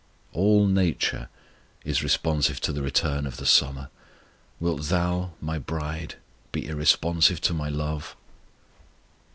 All nature is responsive to the return of the summer, wilt thou, My bride, be irresponsive to My love?